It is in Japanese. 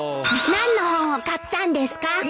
何の本を買ったんですか？